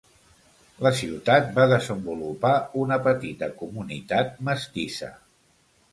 La ciutat va desenvolupar una petita comunitat mestissa.